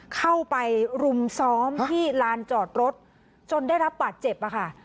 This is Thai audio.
เข้าไปรุมซ้อมที่ลานจอดรถจนได้รับบาดเจ็บอะค่ะ